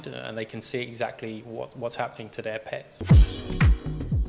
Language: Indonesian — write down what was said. dan mereka bisa melihat apa yang terjadi pada anak anak mereka